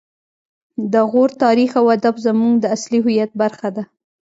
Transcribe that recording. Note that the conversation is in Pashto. د غور تاریخ او ادب زموږ د اصلي هویت برخه ده